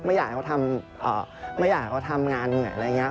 ไม่อยากให้เขาทำงานเหงื่อยอะไรอย่างนี้